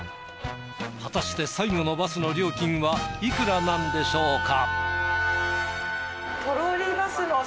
果たして最後のバスの料金はいくらなんでしょうか。